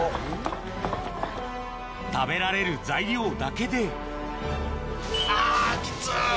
食べられる材料だけであきつ！